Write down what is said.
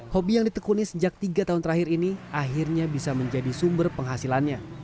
hobi yang ditekuni sejak tiga tahun terakhir ini akhirnya bisa menjadi sumber penghasilannya